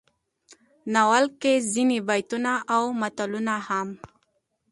په ناول کې ځينې بيتونه او متلونه هم